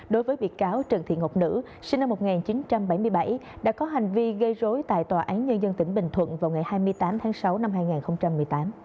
đối với bị cáo trần thị ngọc nữ sinh năm một nghìn chín trăm bảy mươi bảy đã có hành vi gây rối tại tòa án nhân dân tỉnh bình thuận vào ngày hai mươi tám tháng sáu năm hai nghìn một mươi tám